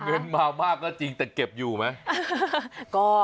เงินมามากก็จริงแต่เก็บอยู่ไหม